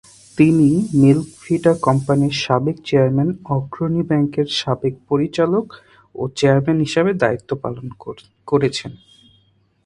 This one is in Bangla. তিনি মিল্ক ভিটা কোম্পানির সাবেক চেয়ারম্যান, অগ্রণী ব্যাংকের সাবেক পরিচালক ও চেয়ারম্যান হিসেবে দায়িত্ব পালন করেছেন।